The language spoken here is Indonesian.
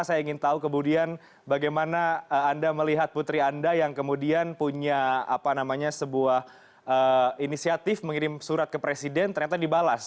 saya ingin tahu kemudian bagaimana anda melihat putri anda yang kemudian punya sebuah inisiatif mengirim surat ke presiden ternyata dibalas